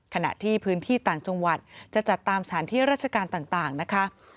ขณะที่พื้นที่ต่างจังหวัดจะจัดตามสถานที่ราชการต่างนะคะ